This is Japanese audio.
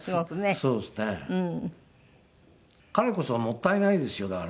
彼こそもったいないですよだから。